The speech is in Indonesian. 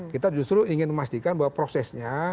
kita justru ingin memastikan bahwa prosesnya